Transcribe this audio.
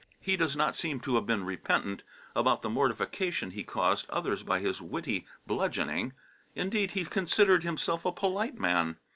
He does not seem to have been repentant about the mortification he caused others by his witty bludgeoning indeed he considered himself a polite man!